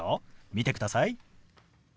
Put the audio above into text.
見てください。